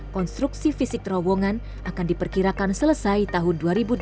konstruksi fisik terowongan akan diperkirakan selesai tahun dua ribu delapan belas